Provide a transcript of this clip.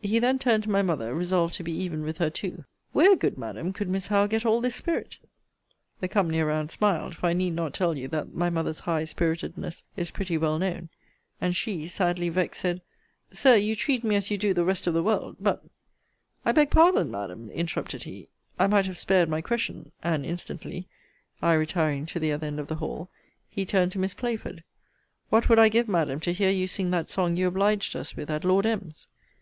He then turned to my mother, resolved to be even with her too: Where, good Madam, could Miss Howe get all this spirit? The company around smiled; for I need not tell you that my mother's high spiritedness is pretty well known; and she, sadly vexed, said, Sir, you treat me, as you do the rest of the world but I beg pardon, Madam, interrupted he: I might have spared my question and instantly (I retiring to the other end of the hall) he turned to Miss Playford; What would I give, Madam, to hear you sing that song you obliged us with at Lord M.'s!